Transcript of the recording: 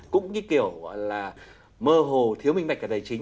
cũng cái kiểu là mơ hồ thiếu bình bạch về tài chính